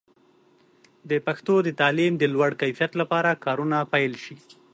د پښتو د تعلیم د لوړ کیفیت لپاره کارونه پیل شي.